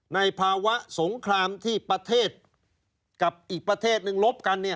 ในภาวะสงครามที่ประเทศกับอีกประเทศนึงลบกัน